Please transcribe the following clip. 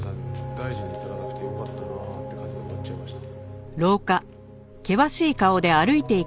大事に至らなくてよかったな」って感じで終わっちゃいました。